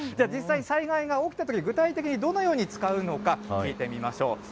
実際に災害が起きたときに、具体的にどのように使うのか、聞いてみましょう。